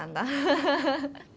ハハハハ。